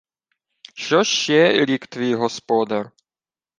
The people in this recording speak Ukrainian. — Що ще рік твій господар?